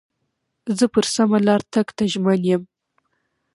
زه پر سمه لار تګ ته ژمن یم.